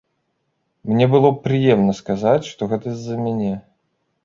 Мне было б прыемна сказаць, што гэта з-за мяне.